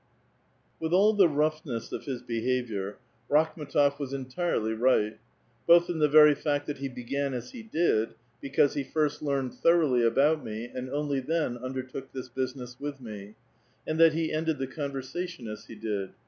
With all the roughness of his behavior, Rakhm^tof was entirely right ; both in tlie very fact that he began as he did, because he first learned thoroughly about me, and only then undertook this business with me ; and that he ended the conversation as he did.